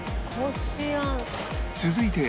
続いて